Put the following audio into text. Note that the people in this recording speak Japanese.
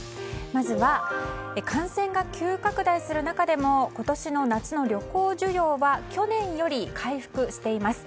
まずは感染が急拡大するなかでも今年の夏の旅行需要は去年より回復しています。